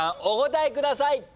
お答えください。